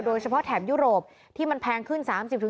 โดยเฉพาะแถมยุโรปที่มันแพงขึ้น๓๐๔๐